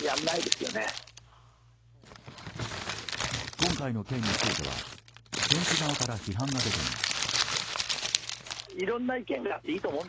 今回の件については選手側から批判が出ています。